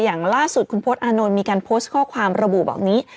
อย่างล่าสุดคุณพศอานนท์มีการโพสต์ข้อความระบุบอกนี้